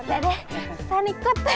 ya udah deh susah ikut